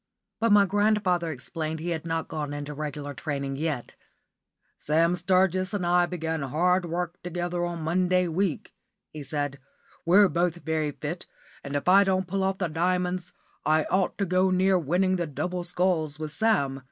But my grandfather explained he had not gone into regular training yet. "Sam Sturgess and I begin hard work together on Monday week," he said. "We're both very fit, and if I don't pull off the 'Diamonds,' I ought to go near winning the 'double sculls' with Sam.